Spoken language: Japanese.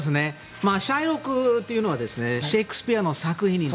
シャイロックというのはシェイクスピアの作品です。